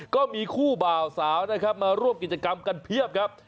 ก็มีคู่บ่าวสาวนะครับมาร่วมกิจกรรมกันเพียบครับ